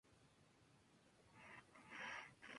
Luchó con la depresión por el resto de su vida.